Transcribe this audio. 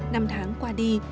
năm tháng qua đi